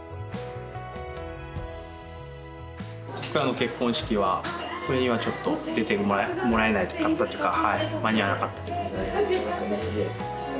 僕らの結婚式はそれにはちょっと出てもらえなかったというか間に合わなかったってことですね。